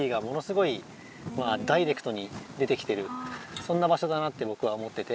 そんな場所だなってぼくは思ってて。